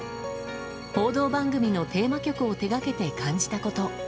報道番組のテーマ曲を手掛けて感じたこと。